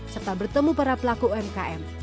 serta bertemu para pelaku umkm